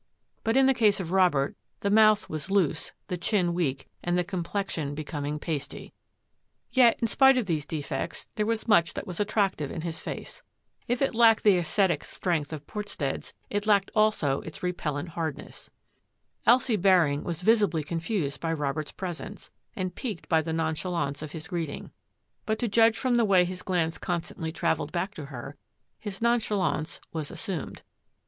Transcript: But in the case of Robert, the mouth was loose, the chin weak, and the complexion becoming pasty. S5 86 THAT AFFAIR AT THE MANOR Yet, in spite of these defects, there was much that was attractive in his face. If it lacked the ascetic strength of Portstead's, it lacked also its repel lent hardness. Elsie Baring was visibly confused by Robert's presence and piqued by the nonchalance of his greeting. But to judge from the way his glance constantly travelled back to her, his nonchalance was assumed.